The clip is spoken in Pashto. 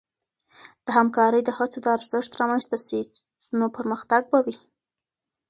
د همکارۍ د هڅو د ارزښت رامنځته سي، نو پرمختګ به وي.